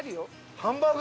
ハンバーグ。